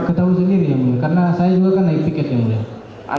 ketahui sendiri ya bu karena saya juga kan naik tiket ya bu